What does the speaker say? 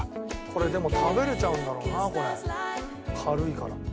これでも食べれちゃうんだろうなこれ。